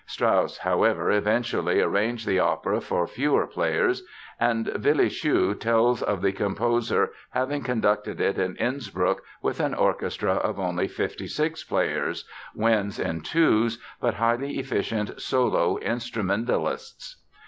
Strauss, however eventually arranged the opera for fewer players and Willy Schuh tells of the composer having conducted it in Innsbruck with an orchestra of only 56 players, winds in twos but highly efficient solo instrumentalists.